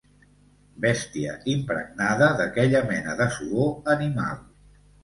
Bèstia impregnada d'aquella mena de suor animal.